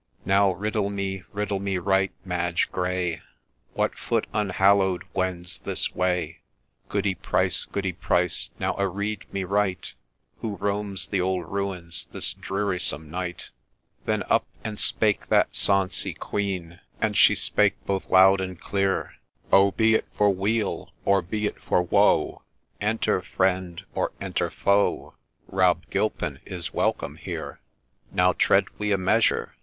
' Now riddle me, riddle me right, Madge Gray, What foot unhallow'd wends this way ? Goody Price, Goody Price, now areed me right, Who roams the old Ruins this drearysome night ?' Then up and spake that sonsie quean, And she spake both loud and clear :' Oh, be it for weal, or be it for woe, Enter friend, or enter foe, Rob Gilpin is welcome here !—' Now tread we a measure